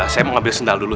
saya mau ambil sandal dulu